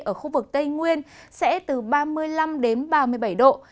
ở khu vực tây nguyên sẽ từ ba mươi năm đến ba mươi bảy độ